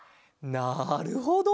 なるほど！